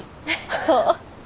そう。